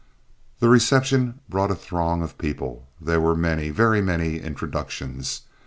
The reception brought a throng of people. There were many, very many, introductions.